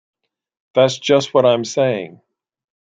That's just what I'm saying.